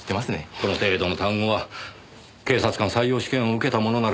この程度の単語は警察官採用試験を受けた者なら。